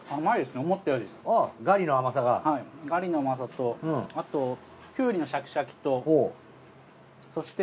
がりの甘さとあとキュウリのシャキシャキとそして。